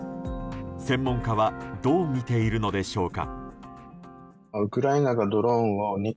専門家はどう見ているのでしょうか？